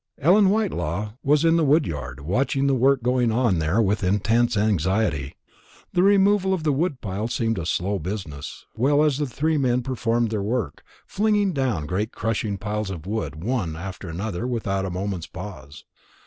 Ellen Whitelaw was in the wood yard, watching the work going on there with intense anxiety. The removal of the wood pile seemed a slow business, well as the three men performed their work, flinging down great crushing piles of wood one after another without a moment's pause.